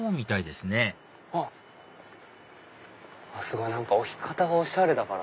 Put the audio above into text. すごい置き方がおしゃれだから。